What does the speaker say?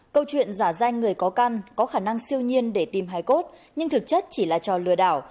câu chuyện giả danh người có căn có khả năng siêu nhiên để tìm hải cốt nhưng thực chất chỉ là trò lừa đảo